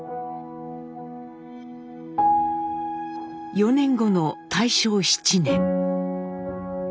４年後の大正７年。